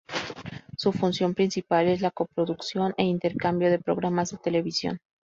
Su función principal es la coproducción e intercambio de programas de televisión.